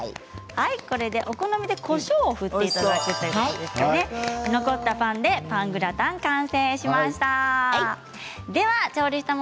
お好みでこしょうを振っていただいて残ったパンでパングラタン完成しました。